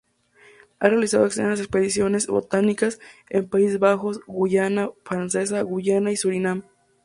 Ha realizado extensas expediciones botánicas en Países Bajos, Guyana Francesa, Guyana y Surinam.